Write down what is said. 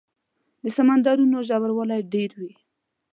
د سمندرونو ژوروالی ډېر وي.